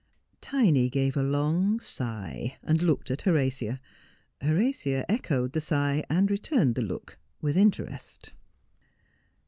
Tiny gave a long sigh, and looked at Horatia. Horatia echoed the sigh, and returned the look, with interest.